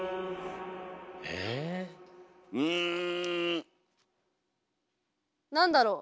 うん。何だろう？